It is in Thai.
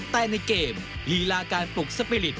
แต่ในเกมลีลาการปลุกสปีริต